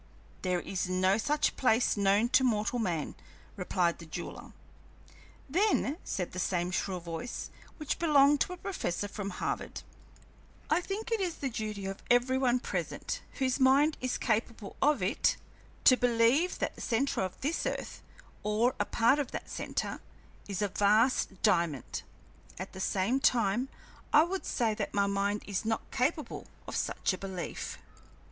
"There is no such place known to mortal man," replied the jeweler. "Then," said the same shrill voice, which belonged to a professor from Harvard, "I think it is the duty of every one present, whose mind is capable of it, to believe that the centre of this earth, or a part of that centre, is a vast diamond; at the same time I would say that my mind is not capable of such a belief."